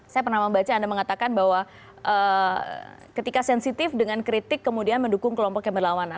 saya pernah membaca anda mengatakan bahwa ketika sensitif dengan kritik kemudian mendukung kelompok yang berlawanan